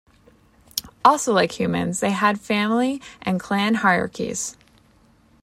Also like humans, they had family and clan hierarchies.